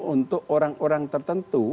untuk orang orang tertentu